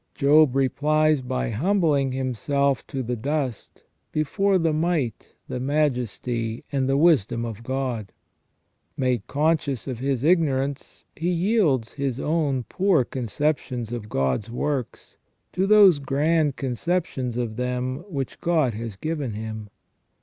Job replies by humbling him self to the dust before the Might, the Majesty, and the Wisdom of God. Made conscious of his ignorance, he yields his own poor conceptions of God's works to those grand conceptions of them which God has given him.